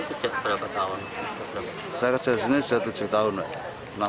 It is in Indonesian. sejak berapa tahun saya kerja di sini sudah tujuh tahun